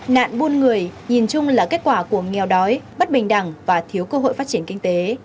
nạn buôn người nhìn chung là kết quả của nghèo đói bất bình đẳng và thiếu cơ hội phát triển kinh tế